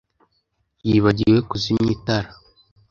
yibagiwe kuzimya itara.